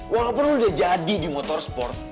walaupun lo udah jadi di motorsport